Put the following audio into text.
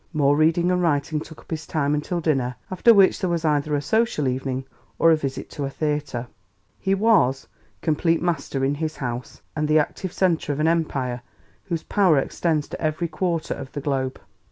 More reading and writing took up his time until dinner, after which there was either a social evening or a visit to a theatre. He was "complete master in his house, and the active centre of an Empire whose power extends to every quarter of the globe. ...